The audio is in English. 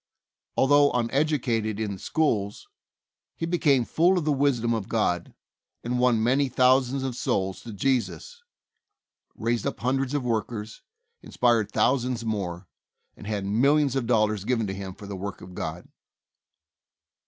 Although uneducated in the schools, he became full of the wisdom of God, and won many thousands of souls to Jesus, raised up hundreds of workers, in spired thousands more, and had millions of dollars given to him for the work of God.